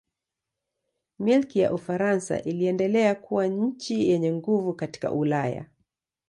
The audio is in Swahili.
Milki ya Ufaransa iliendelea kuwa nchi yenye nguvu katika Ulaya.